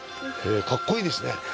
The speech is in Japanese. へぇかっこいいですね。